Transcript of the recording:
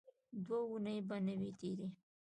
دوه اوونۍ به نه وې تېرې.